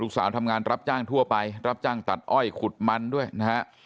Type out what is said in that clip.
สาวทำงานรับจ้างทั่วไปรับจ้างตัดอ้อยขุดมันด้วยนะฮะ